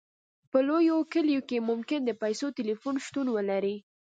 په لویو کلیو کې ممکن د پیسو ټیلیفون شتون ولري